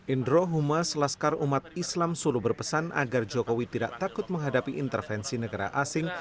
indro humas laskar umat islam solo berpesan agar jokowi tidak takut menghadapi intervensi negara asing